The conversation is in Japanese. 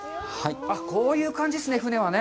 こういう感じっすね、船は。